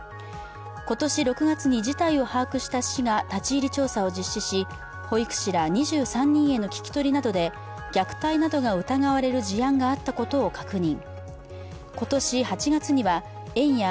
今年６月に事態を把握した市が立ち入り調査を実施し、保育士ら２３人への聞き取りなどで虐待などが疑われる事案があったことを確認。